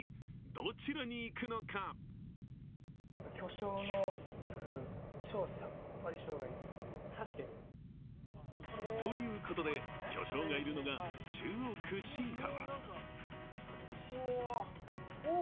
どちらにいくのかということで、巨匠がいるのが中央区新川。